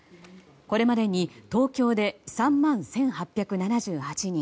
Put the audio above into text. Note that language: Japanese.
これまでに東京で３万１８７８人